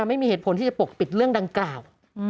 ไม่มีเหตุผลที่จะปกปิดเรื่องดังกล่าว